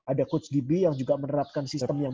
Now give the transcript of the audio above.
ada coach db yang juga menerapkan sistem yang